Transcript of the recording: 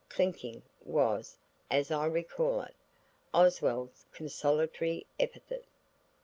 'Clinking' was, as I recall it, Oswald's consolatory epithet.